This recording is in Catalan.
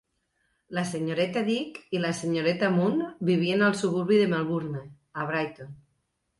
La senyoreta Dick i la senyoreta Moon vivien al suburbi de Melbourne, a Brighton.